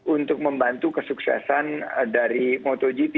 untuk membantu kesuksesan dari motogp